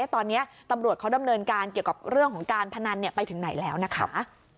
ตอนนี้ตำรวจเขาดำเนินการเกี่ยวกับเรื่องของการพนันไปถึงไหนแล้วนะคะ